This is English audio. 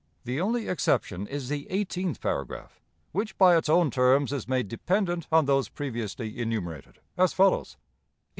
The only exception is the eighteenth paragraph, which by its own terms is made dependent on those previously enumerated, as follows: '18.